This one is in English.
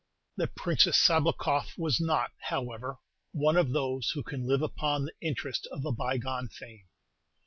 The Princess Sabloukoff was not, however, one of those who can live upon the interest of a bygone fame.